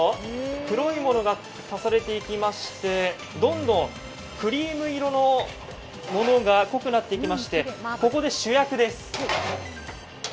黒いものが足されていきまして、どんどんクリーム色が濃くなってきまして、ここで主役です。